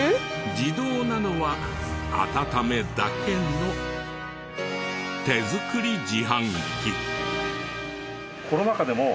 自動なのは温めだけの手作り自販機。